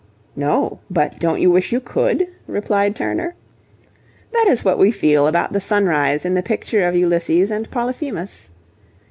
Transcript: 'No, but don't you wish you could?' replied Turner. That is what we feel about the sunrise in the picture of Ulysses and Polyphemus.